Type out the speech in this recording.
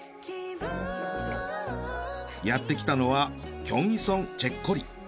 やってきたのはキョンウィソンチェッコリ。